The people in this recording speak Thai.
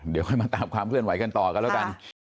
เดี๋ยวค่อยมาตามความเคลื่อนไหวกันต่อกันแล้วกัน